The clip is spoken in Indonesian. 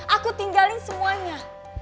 aku tinggalin semuanya